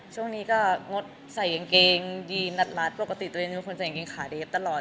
ช่วงนี้ก็งดใส่ยังเกงดีนัดรัดปกติตัวเองมีคนใส่ยังเกงขาเด็บตลอด